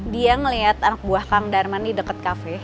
dia ngeliat anak buah kang darman di deket kafe